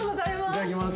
いただきます。